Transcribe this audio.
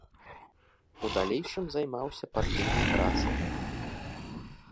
У далейшым займаўся партыйнай працай.